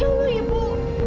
ya allah ibu